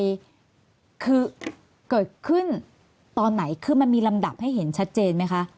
คือเกิดขึ้นตอนไหนคือมันมีลำดับให้เห็นชัดเจนไหมคะ